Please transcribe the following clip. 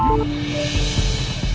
mirna bentar ya